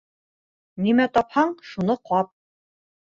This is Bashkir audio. Нимә тапһаң, шуны ҡап.